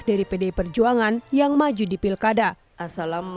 dari pdi perjuangan yang maju di pilkada assalamualaikum